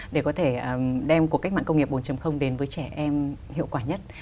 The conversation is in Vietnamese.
để có thể đem cuộc cách mạng công nghiệp bốn đến với trẻ em hiệu quả nhất